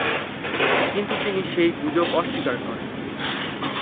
কিন্তু তিনি সেই গুজব অস্বীকার করেন।